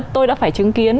tôi đã phải chứng kiến